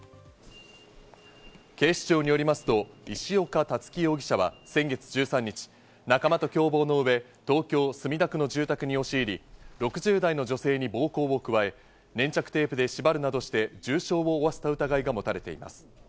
警視庁によりますと、石岡樹容疑者は先月１３日、仲間と共謀の上、東京・墨田区の住宅に押し入り、６０代の女性に暴行を加え、粘着テープで縛るなどして重傷を負わせた疑いが持たれています。